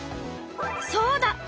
そうだ！